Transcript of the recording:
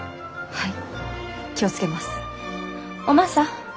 ・はい。